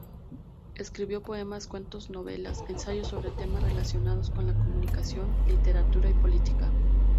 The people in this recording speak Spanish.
Escribió poemas, cuentos, novelas, ensayos sobre temas relacionados con la comunicación, literatura y política.